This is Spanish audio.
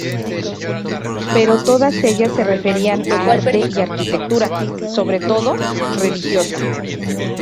Pero todas ellas se referían a Arte y Arquitectura, sobre todo religiosa.